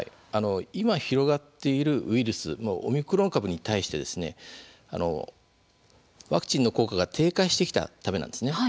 今、広がっているウイルスオミクロン株に対してワクチンの効果が低下してきたためなんですね。